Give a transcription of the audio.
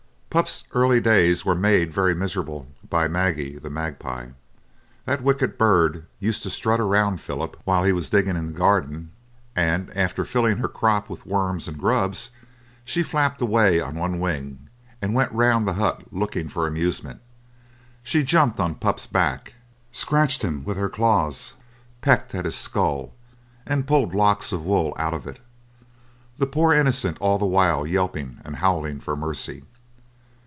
Pup's early days were made very miserable by Maggie, the magpie. That wicked bird used to strut around Philip while he was digging in the garden, and after filling her crop with worms and grubs, she flapped away on one wing and went round the hut looking for amusement. She jumped on Pup's back, scratched him with her claws, pecked at his skull, and pulled locks of wool out of it, the poor innocent all the while yelping and howling for mercy.